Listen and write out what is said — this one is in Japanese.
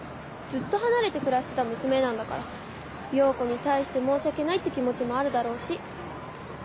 ずっと離れて暮らしてた娘なんだから洋子に対して申し訳ないって気持ちもあるだろうし。